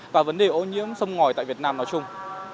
và vấn đề ô nhiễm sông ngòi tại việt nam nói chung